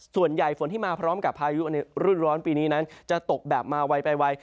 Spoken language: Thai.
ฝนที่มาพร้อมกับพายุในรุ่นร้อนปีนี้นั้นจะตกแบบมาไวไปไว